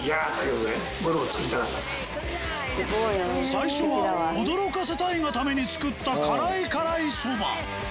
最初は驚かせたいがために作ったカライカライそば